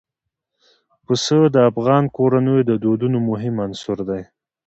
پسه د افغان کورنیو د دودونو مهم عنصر دی.